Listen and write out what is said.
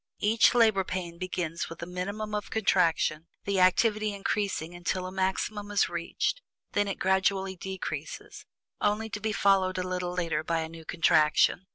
Each "labor pain" begins with a minimum of contraction, the activity increasing until a maximum is reached, when it gradually decreases, only to be followed a little later by a new contraction.